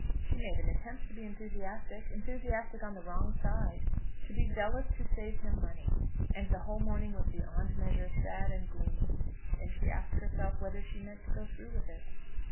She made an attempt to be enthusiastic, enthusiastic on the wrong side, to be zealous to save him money, and the whole morning was beyond measure sad and gloomy. Then she asked herself whether she meant to go through with it.